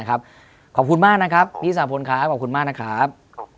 ขอบคุณมากพี่สาภนครับ